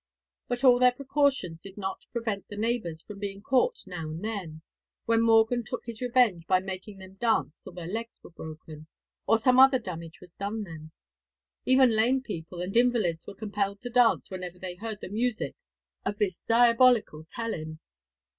But all their precautions did not prevent the neighbours from being caught now and then, when Morgan took his revenge by making them dance till their legs were broken, or some other damage was done them. Even lame people and invalids were compelled to dance whenever they heard the music of this diabolical telyn.